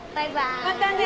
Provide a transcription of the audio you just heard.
またね。